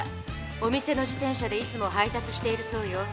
お店の自転車でいつも配達しているそうよ。